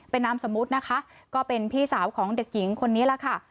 เป็นนามสมมุตินะคะก็เป็นพี่สาวของเด็กหญิงคนนี้แหละค่ะ